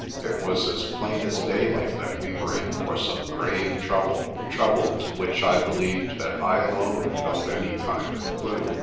It was as plain as daylight that we were in for some grave trouble, trouble to which I believed that I alone held any kind of clue.